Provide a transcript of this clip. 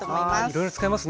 いろいろ使えますね。